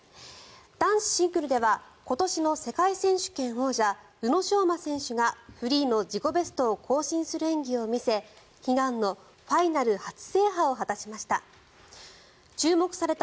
男子シングルでは今年の世界選手権王者宇野昌磨選手がフリーの自己ベストを更新する演技を見せ悲願のファイナル初制覇を果たしました。